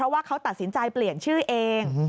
ว่าเขาตัดสินใจเปลี่ยนชื่อเอง